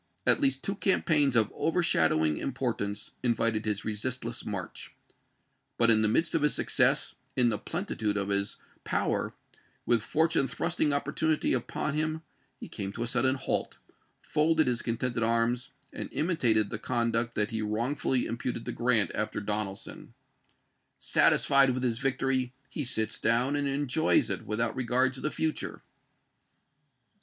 At least two campaigns of overshadowing importance invited his resistless march. But in the midst of his success, in the plenitude of his power, with fortune thrusting opportunity upon him, he came to a sudden halt, folded his con tented arms, and imitated the conduct that he wi'ongfully imputed to Grant after Donelson — Mccfemin" " Satisfied with his victory, he sits down and en 1862!^^ w.\. joys it without regard to the future."